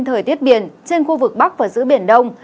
thời tiết biển trên khu vực bắc và giữa biển đông